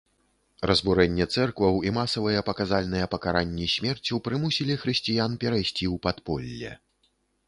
Разбурэнне цэркваў і масавыя паказальныя пакаранні смерцю прымусілі хрысціян перайсці ў падполле.